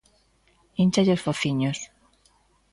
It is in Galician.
¡Ínchalle os fociños!